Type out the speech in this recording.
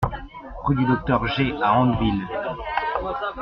Rue du Docteur Gey à Andeville